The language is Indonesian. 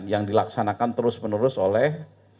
yang dilaksanakan terus menerus oleh